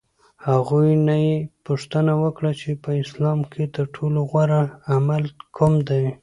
هغوی نه یې پوښتنه وکړه چې په اسلام کې ترټولو غوره عمل کوم دی؟